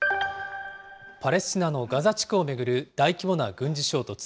パレスチナのガザ地区を巡る大規模な軍事衝突。